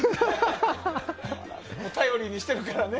頼りにしてるからね。